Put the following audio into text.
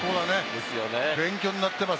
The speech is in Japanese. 勉強になっています。